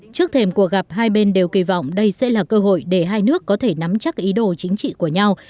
trước thềm cuộc gặp hai bên đều kỳ vọng đây sẽ là cơ hội để hai nước có thể nắm chắc ý đồ chính trị của nhau